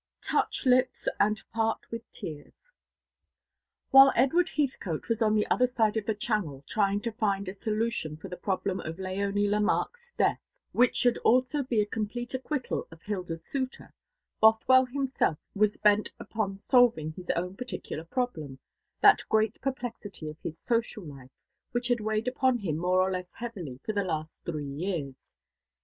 "TOUCH LIPS AND PART WITH TEARS." While Edward Heathcote was on the other side of the Channel trying to find a solution for the problem of Léonie Lemarque's death, which should also be a complete acquittal of Hilda's suitor, Bothwell himself was bent upon solving his own particular problem, that great perplexity of his social life, which had weighed upon him more or less heavily for the last three years.